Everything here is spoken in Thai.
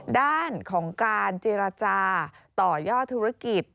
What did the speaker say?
ด้านของการเจรจาต่อยอดธุรกิจ